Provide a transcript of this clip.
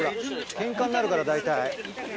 けんかになるから、大体。